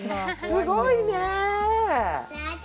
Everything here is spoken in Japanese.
すごいね。